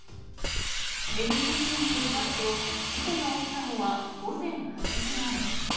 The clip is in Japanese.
ＮＢＣによりますと、事故が起きたのは午前８時前。